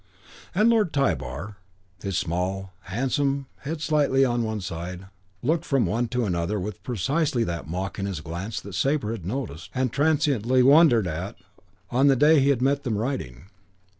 And Lord Tybar, his small, handsome head slightly on one side, looked from one to another with precisely that mock in his glance that Sabre had noticed, and transiently wondered at, on the day he had met them riding.